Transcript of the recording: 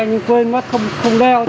nhưng quên mắt không đeo